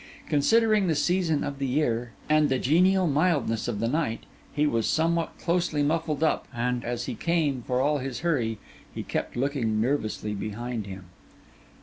Considering the season of the year and the genial mildness of the night, he was somewhat closely muffled up; and as he came, for all his hurry, he kept looking nervously behind him.